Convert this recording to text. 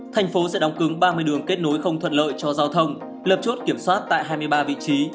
thành phố sẽ đóng cứng ba mươi đường kết nối không thuận lợi cho giao thông lập chốt kiểm soát tại hai mươi ba vị trí